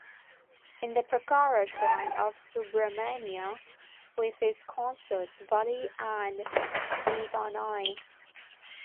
In the prakara shrine of Subramania with his consorts Valli and Deivanai.